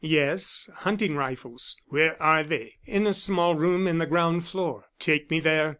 "Yes, hunting rifles." "Where are they?" "In a small room on the ground floor." "Take me there."